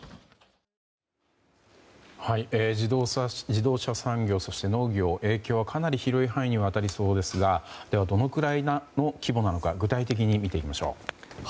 自動車産業そして農業、影響はかなり広い範囲にわたりそうですがどのくらいの規模なのか具体的に見ていきましょう。